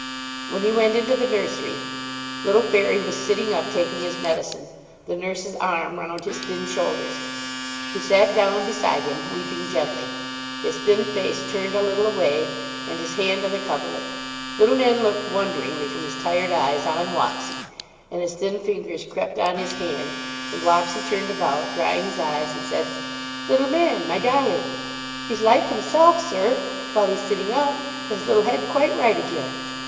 When he went into the nursery little Fairy was sitting up, taking his medicine; the nurse's arm round his thin shoulders. He sat down beside him, weeping gently, his thin face turned a little away, and his hand on the coverlet. Little man looked wonderingly from his tired eyes on Wapsie, and his thin fingers crept on his hand, and Wapsie turned about, drying his eyes, and said 'Little man! my darling!' 'He's like himself, Sir, while he's sitting up his little head quite right again.'